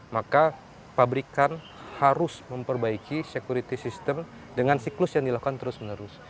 maka pabrikan harus memperbaiki sekuriti sistem dengan siklus yang dilakukan terus menerus